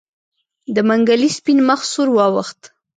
د منګلي سپين مخ سور واوښت.